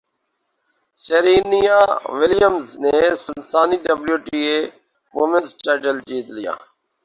Serena Williams نے Cincinnati W T A women's title جیت لیا